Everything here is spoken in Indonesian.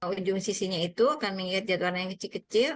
ujung sisinya itu akan mengikat jadwarna yang kecil kecil